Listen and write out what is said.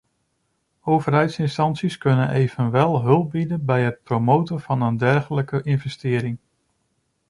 Overheidsinstanties kunnen evenwel hulp bieden bij het promoten van een dergelijke investering.